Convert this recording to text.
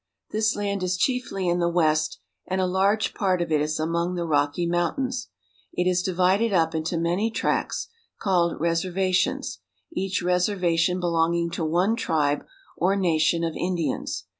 This land is chiefly in the West, and a large part of it is among the Rocky Mountains. It is divided up into many tracts, called reservations, each reservation belonging to one tribe, or nation, of Indians.